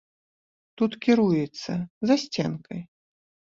Тут кіруецца, за сценкай!